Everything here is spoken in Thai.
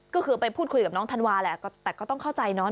ก็คือไปพูดคุยกับน้องธันวาแหละแต่ก็ต้องเข้าใจเนาะ